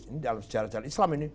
ini dalam sejarah jalan islam ini